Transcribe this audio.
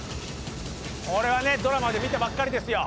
ドラマで見たばっかりですよ。